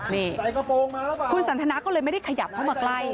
นี่คุณสันทนาก็เลยไม่ได้ขยับเข้ามาใกล้